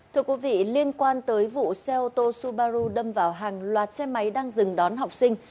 thưa quý vị liên quan tới vụ xe ô tô subaru đâm vào hàng loạt xe máy đang dừng đón học sinh